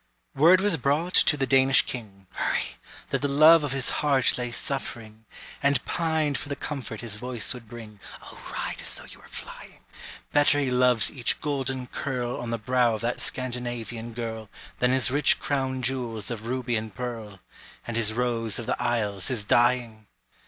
Word was brought to the Danish king (Hurry!) That the love of his heart lay suffering, And pined for the comfort his voice would bring; (O, ride as though you were flying!) Better he loves each golden curl On the brow of that Scandinavian girl Than his rich crown jewels of ruby and pearl: And his rose of the isles is dying!